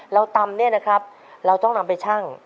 เราตำเนี่ยนะครับเราต้องนำไปชั่ง